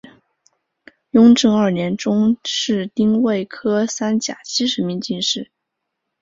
雍正二年中式丁未科三甲七十名进士。